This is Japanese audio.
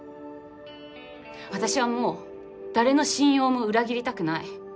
私はもう誰の信用も裏切りたくない。